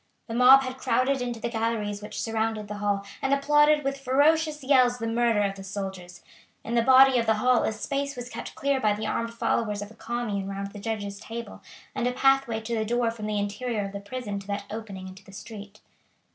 The mob had crowded into the galleries which surrounded the hall and applauded with ferocious yells the murder of the soldiers. In the body of the hall a space was kept clear by the armed followers of the Commune round the judges' table, and a pathway to the door from the interior of the prison to that opening into the street.